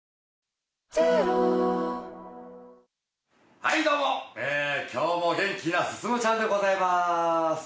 はい、どうも今日も元気な進ちゃんでございます！